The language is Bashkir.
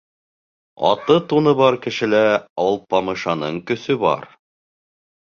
Аты-туны бар кешелә Алпамышаның көсө бар.